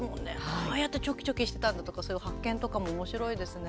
こうやってチョキチョキしてたんだとか、そういう発見とかもおもしろいですね。